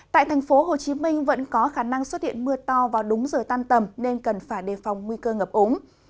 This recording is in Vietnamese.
tại thành phố hồ chí minh vẫn có khả năng xuất hiện mưa to vào đúng giờ tan tầm nên cần phải đề phòng nguy cơ ngập ống